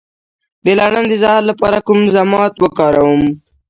د لړم د زهر لپاره کوم ضماد وکاروم؟